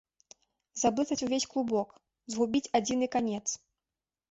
Заблытаць увесь клубок, згубіць адзіны канец.